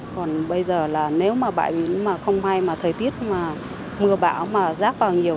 còn bây giờ là nếu mà bãi biển mà không may mà thời tiết mà mưa bão mà rác vào nhiều